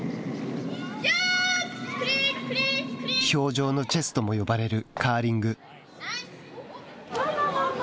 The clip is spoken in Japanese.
氷上のチェスとも呼ばれるカーリング。